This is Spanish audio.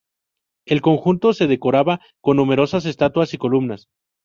El conjunto se decoraba con numerosas estatuas y columnas.